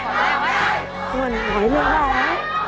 บอกหน่อยอย่างนี้